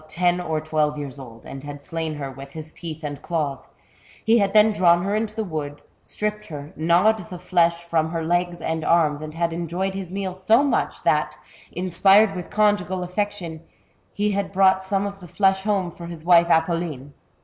77 ien or twelve years old, and had slain her with his iieeth and claws ; he had then drawn her into the wood, stripped her, gnawed the flesh from her legs and arms, Mid had enjoyed his meal so much, that, inspired with conjugal affection, he had brought some of the flesh borne for his wife Apolline.